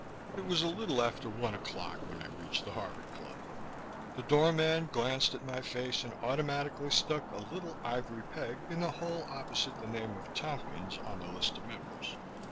It was a little after one o'clock when I reached the Harvard Club. The door man glanced at my face and automatically stuck a little ivory peg in the hole opposite the name of Tompkins on the list of members.